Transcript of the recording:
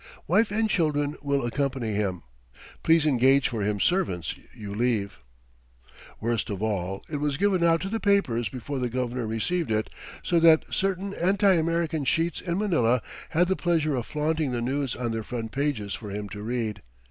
Wife and children will accompany him. Please engage for him servants you leave." [Illustration: BENGUET ROAD] Worst of all, it was given out to the papers before the Governor received it, so that certain anti American sheets in Manila had the pleasure of flaunting the news on their front pages for him to read.